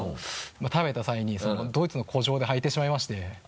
食べた際にドイツの古城で吐いてしまいまして。